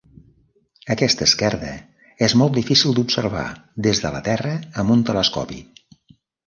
Aquesta esquerda és molt difícil d'observar des de la Terra amb un telescopi.